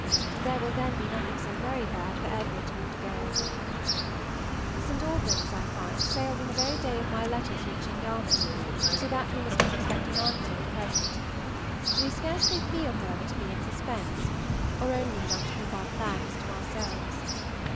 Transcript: There will then be nothing so very bad for Edward to undergo. The "St. Albans," I find, sailed on the very day of my letters reaching Yarmouth, so that we must not expect an answer at present; we scarcely feel, however, to be in suspense, or only enough to keep our plans to ourselves.